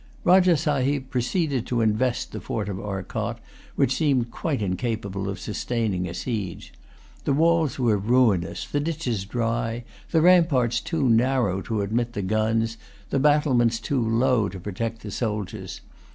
Rajah Sahib proceeded to invest the fort of Arcot, which seemed quite incapable of sustaining a siege. The walls were ruinous, the ditches dry, the ramparts too narrow to admit the guns, the battlements too low to protect the soldiers.